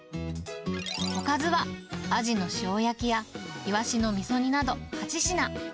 おかずはアジの塩焼きや、イワシのみそ煮など８品。